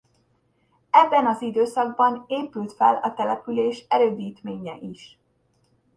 Ebben az időszakban épült fel a település erődítménye is.